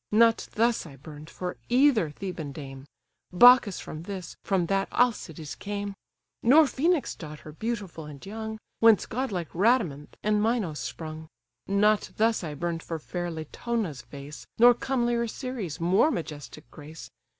Not thus I burn'd for either Theban dame: (Bacchus from this, from that Alcides came:) Nor Phœnix' daughter, beautiful and young, Whence godlike Rhadamanth and Minos sprung. Not thus I burn'd for fair Latona's face, Nor comelier Ceres' more majestic grace.